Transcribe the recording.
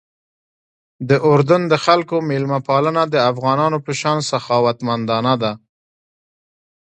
د اردن د خلکو میلمه پالنه د افغانانو په شان سخاوتمندانه ده.